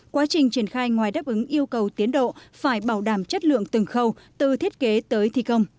quá trình triển khai ngoài đáp ứng yêu cầu tiến độ phải bảo đảm chất lượng từng khâu từ thiết kế tới thi công